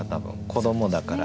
子どもだから。